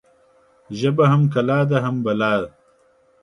ژبه هم کلا ده، هم بلا